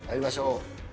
まいりましょう。